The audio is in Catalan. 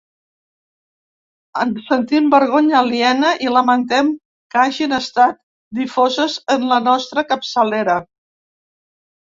En sentim vergonya aliena i lamentem que hagin estat difoses en la nostra capçalera.